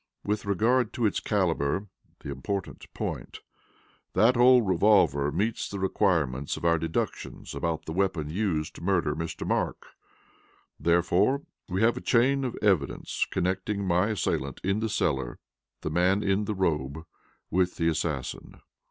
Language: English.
With regard to its calibre (the important point), that old revolver meets the requirements of our deductions about the weapon used to murder Mr. Mark. Therefore we have a chain of evidence connecting my assailant in the cellar the man in the robe with the assassin.